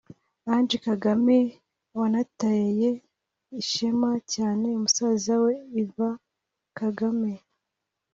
Ange Kagame wanateye ishema cyane musaza we Ivan Kagame